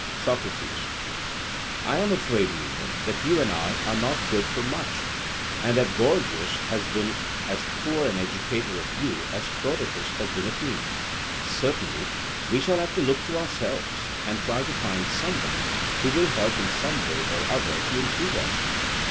SOCRATES: I am afraid, Meno, that you and I are not good for much, and that Gorgias has been as poor an educator of you as Prodicus has been of me. Certainly we shall have to look to ourselves, and try to find some one who will help in some way or other to improve us.